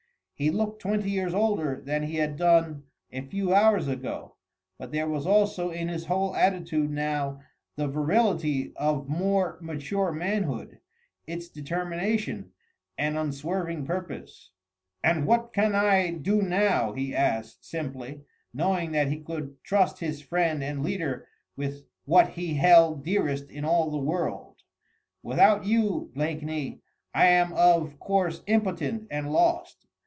He looked twenty years older than he had done a few hours ago, but there was also in his whole attitude now the virility of more mature manhood, its determination and unswerving purpose. "And what can I do now?" he asked simply, knowing that he could trust his friend and leader with what he held dearest in all the world. "Without you, Blakeney, I am of course impotent and lost.